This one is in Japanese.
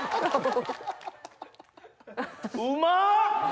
うまっ！